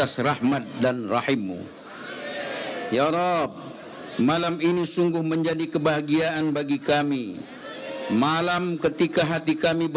silakan pak kiai